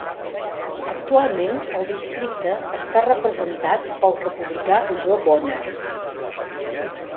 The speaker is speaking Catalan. Actualment el districte està representat pel republicà Jo Bonner.